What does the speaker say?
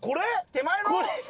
手前の？